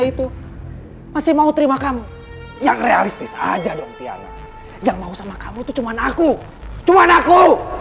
itu masih mau terima kamu yang realistis aja dong tiana yang mau sama kamu tuh cuman aku cuma aku